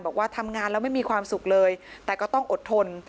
บอกว่าทำงานแล้วไม่มีความสุขเลยแต่ก็ต้องอดทน